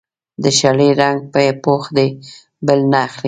د شړۍ رنګ مې پوخ دی؛ بل نه اخلي.